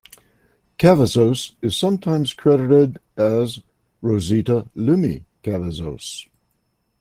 Cavazos is sometimes credited as "Rosita Lumi Cavazos".